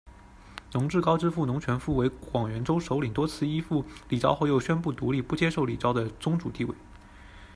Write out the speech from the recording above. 侬智高之父侬全福为广源州首领，多次依附李朝后又宣布独立，不接受李朝的宗主地位。